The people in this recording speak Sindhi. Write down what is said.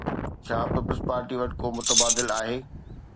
ڇا پيپلز پارٽي وٽ ڪو متبادل آهي؟